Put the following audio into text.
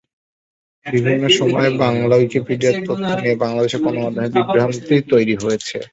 বিভিন্ন সময়ে বাংলা উইকিপিডিয়ার তথ্য নিয়ে বাংলাদেশের গণমাধ্যমে বিভ্রান্তি তৈরি হয়েছে।